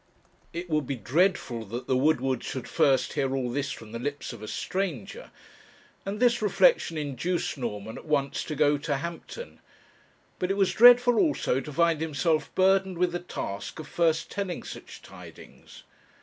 It would be dreadful that the Woodwards should first hear all this from the lips of a stranger, and this reflection induced Norman at once to go to Hampton; but it was dreadful, also, to find himself burdened with the task of first telling such tidings.